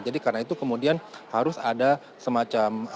jadi karena itu kemudian harus ada semacam